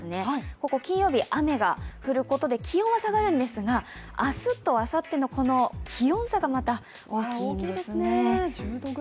ここ金曜日、雨が降ることで気温は下がるんですが明日とあさっての気温差がまた大きいんですね。